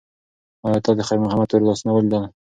ایا تا د خیر محمد تور لاسونه ولیدل؟